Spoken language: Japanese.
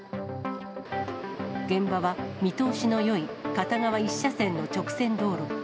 現場は見通しのよい片側１車線の直線道路。